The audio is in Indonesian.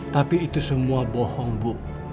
tapi itu semua bohong bu